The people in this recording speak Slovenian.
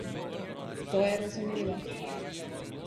To je razumljivo.